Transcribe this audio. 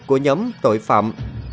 của nhóm tội phạm